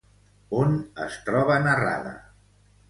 On es troba narrada?